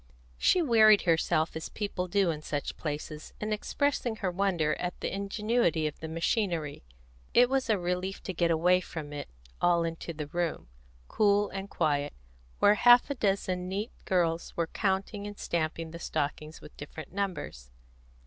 She wearied herself, as people do in such places, in expressing her wonder at the ingenuity of the machinery; it was a relief to get away from it all into the room, cool and quiet, where half a dozen neat girls were counting and stamping the stockings with different numbers.